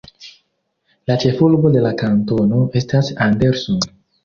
La ĉefurbo de la kantono estas Anderson.